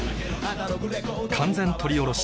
完全撮り下ろし